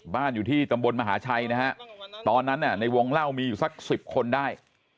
อยู่ที่ตำบลมหาชัยนะฮะตอนนั้นในวงเล่ามีอยู่สัก๑๐คนได้